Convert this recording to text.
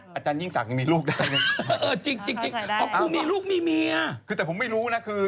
ขณะตอนอยู่ในสารนั้นไม่ได้พูดคุยกับครูปรีชาเลย